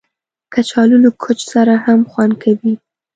کچالو له کوچ سره هم خوند کوي